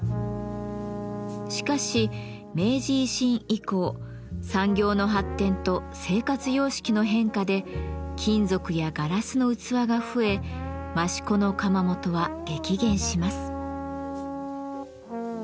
しかし明治維新以降産業の発展と生活様式の変化で金属やガラスの器が増え益子の窯元は激減します。